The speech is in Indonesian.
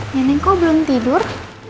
neneng kok belum tidur